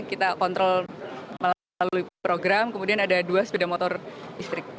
kita kontrol melalui program kemudian ada dua sepeda motor listrik